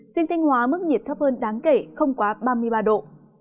riêng thanh hóa mức nhiệt thấp hơn đáng kể không quá ba mươi ba độ